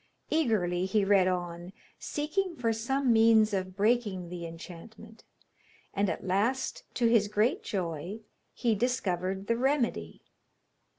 Eagerly he read on, seeking for some means of breaking the enchantment, and at last, to his great joy, he discovered the remedy.